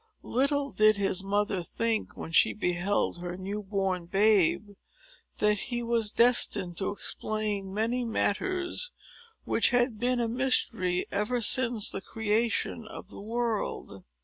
Little did his mother think, when she beheld her new born babe, that he was destined to explain many matters which had been a mystery ever since the creation of the world.